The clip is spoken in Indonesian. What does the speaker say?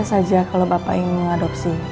saja kalau bapak ingin mengadopsi